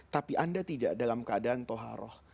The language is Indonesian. tapi anda tidak dalam keadaan toharoh